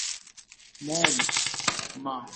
মমম, না।